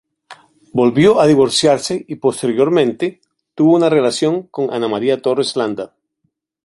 Volvió a divorciarse y posteriormente tuvo una relación con Ana María Torres Landa.